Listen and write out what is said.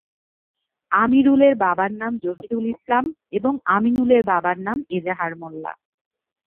আমিরুলের বাবার নাম জহিরুল ইসলাম এবং আমিনুলের বাবার নাম এজাহার মোল্লা।